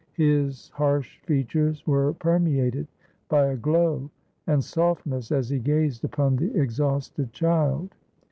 His harsh features were permeated by a glow and softness, as he gazed upon the exhausted child.